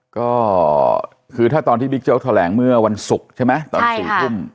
ก็คือถ้าตอนที่บิ๊กโจ๊กแถลงเมื่อวันศุกร์ใช่ไหมตอน๔ทุ่ม